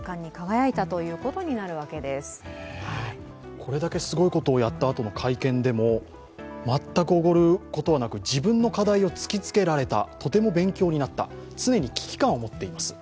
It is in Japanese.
これだけすごいことをやった後の会見でも全くおごることはなく自分の課題を突きつけられたとても勉強になった常に危機感を持っています